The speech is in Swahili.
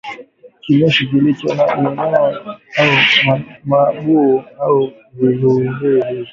kinyesi kilicho na minyoo au mabuu au viluwiluwi hivyo